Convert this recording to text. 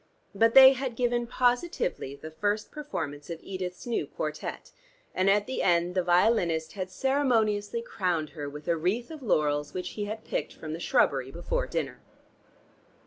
But they had given positively the first performance of Edith's new quartette, and at the end the violinist had ceremoniously crowned her with a wreath of laurels which he had picked from the shrubbery before dinner.